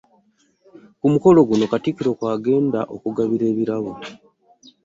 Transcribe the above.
Ku mukolo guno, katikkiro kw'agenga okugabira ebirabo